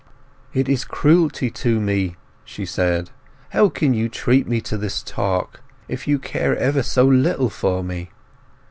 "It is cruelty to me!" she said. "How—how can you treat me to this talk, if you care ever so little for me?"